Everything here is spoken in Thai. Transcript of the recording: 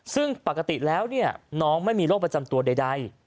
ซึ่งปกติแล้วน้องไม่มีโรคประจำตัวใด